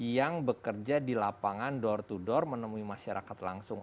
yang bekerja di lapangan door to door menemui masyarakat langsung